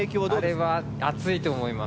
あれは暑いと思います。